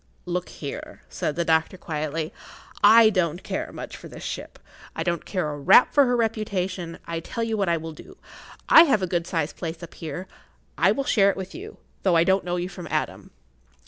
"Look here," said the doctor, quietly, "I don't care much for this ship. I don't care a rap for her reputation. I tell you what I will do. I have a good sized place up here. I will share it with you,[Pg 27] though I don't know you from Adam."